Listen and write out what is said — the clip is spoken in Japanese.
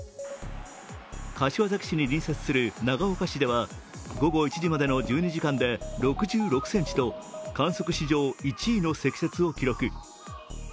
柏崎市に隣接する長岡市では午後１時までの１２時間で６６ｃｍと観測史上１位の積雪を記録。